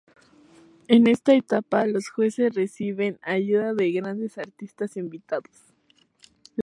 En esta etapa, los jueces reciben ayuda de grandes artistas invitados.